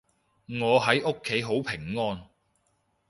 我喺屋企好平安